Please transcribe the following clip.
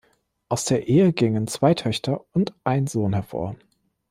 Aus der Ehe gingen zwei Töchter und ein Sohn hervor.